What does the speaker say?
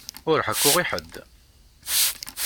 Ur ḥekku i ḥedd!